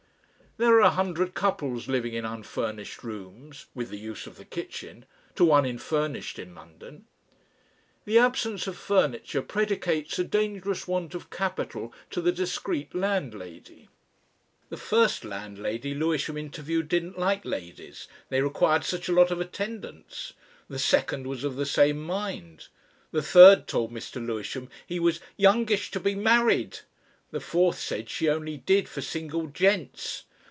There are a hundred couples living in unfurnished rooms (with "the use of the kitchen") to one in furnished in London. The absence of furniture predicates a dangerous want of capital to the discreet landlady. The first landlady Lewisham interviewed didn't like ladies, they required such a lot of attendance; the second was of the same mind; the third told Mr. Lewisham he was "youngish to be married;" the fourth said she only "did" for single "gents."